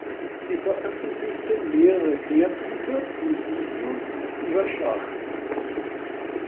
Sie veröffentlichte mehrere Lehrbücher und -videos über Schach.